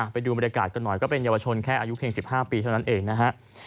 ไปดูบรรยากาศกันหน่อยก็เป็นเยาวชนแค่อายุเพียง๑๕ปีเท่านั้นเองนะฮะ